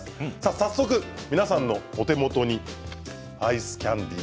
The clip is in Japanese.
早速、皆さんのお手元にアイスキャンディー。